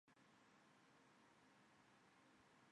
该战斗发生地点则是在中国赣南一带。